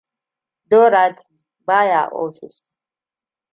Dorothy ba ya ofis.